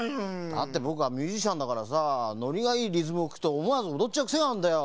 だってぼくはミュージシャンだからさノリがいいリズムをきくとおもわずおどっちゃうくせがあんだよ。